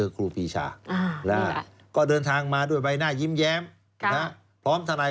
ก็ยอมรับคดีแพ่งมันจบอยู่แล้วหรอครับ